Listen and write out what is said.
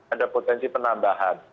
ada potensi penambahan